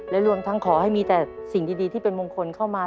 และรวมทั้งขอให้มีแต่สิ่งดีที่เป็นมงคลเข้ามา